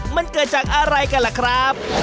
มันเกิดจากอะไรกันล่ะครับ